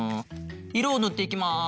いろをぬっていきます。